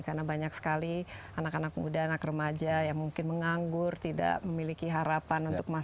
karena banyak sekali anak anak muda anak remaja yang mungkin menganggur tidak memiliki harapan untuk memanfaatkan